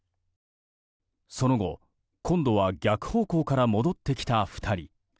その後、今度は逆方向から戻ってきた２人。